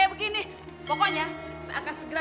ia tidak akan kelar